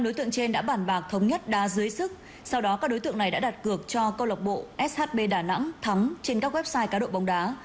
năm đối tượng trên đã bản bạc thống nhất đá dưới sức sau đó các đối tượng này đã đặt cược cho công an tp shb đà nẵng thắng trên các website cá độ bóng đá